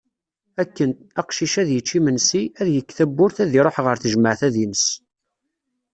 Akken, aqcic ad yečč imensi, ad yekk tawwurt ad iruḥ ɣer tejmeɛt ad ines.